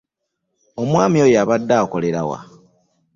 Omwani oyo abadde akolera wa?